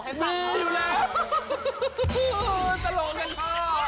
รอผมจะตลก